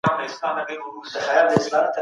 په هغه وخت کي سياسي قدرت نه وو.